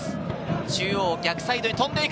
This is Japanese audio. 中央、逆サイドに飛んでいく。